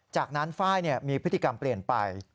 จากนั้นไฟล์มีพฤติกรรมเปลี่ยนไป